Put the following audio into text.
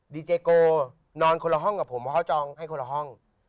ดีเจโกนอนคนละห้องกับผมเพราะเขาจองให้คนละห้อง